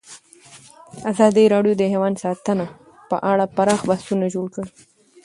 ازادي راډیو د حیوان ساتنه په اړه پراخ بحثونه جوړ کړي.